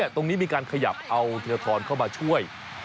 ตรงนี้มีการขยับเอาธีรทรเข้ามาช่วย